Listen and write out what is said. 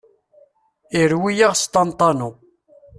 Irwi-yaɣ s ṭanṭanu!!